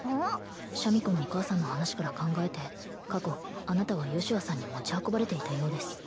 シャミ子のお母さんの話から考えて過去あなたはヨシュアさんに持ち運ばれていたようです